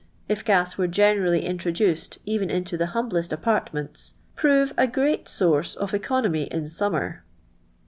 if gas were fjejuMally introduced even into the Ininiblest a|aitment*. prove a gr» at source «»f ectinomy in summiM*."'